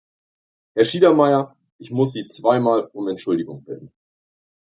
Herr Schiedermeier, ich muss Sie zweimal um Entschuldigung bitten.